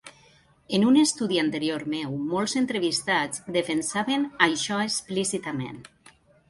En un estudi anterior meu, molts entrevistats defensaven això explícitament.